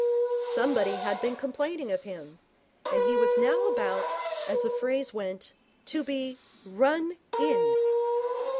Somebody had been complaining of him, and he was now about, as the phrase went, to be 'run in'.